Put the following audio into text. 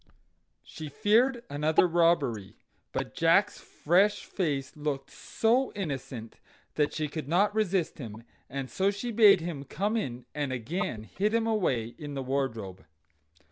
She feared another robbery; but Jack's fresh face looked so innocent that she could not resist him, and so she bade him come in, and again hid him away in the wardrobe.